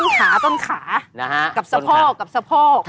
ขาต้นขากับสะพอก